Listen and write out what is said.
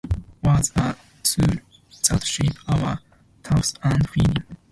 Words are tools that shape our thoughts and feelings.